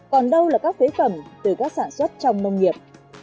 còn đâu là các phế phẩm từ các sản xuất trong nông nghiệp